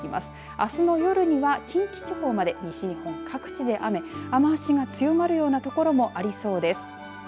あすの夜には近畿地方、西日本各地で雨雨足が強まる所もありそうです。